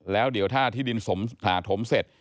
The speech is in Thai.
แล้วเดี๋ยวถ้าที่ดินถาถมเสร็จ